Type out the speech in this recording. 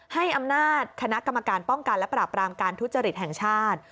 ให้อำนาจคณะกรรมการป้องกันและปราบรามการทุจริตแห่งชาติ